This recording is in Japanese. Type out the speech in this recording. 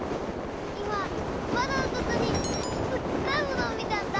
いままどのそとにすっごいものをみたんだ！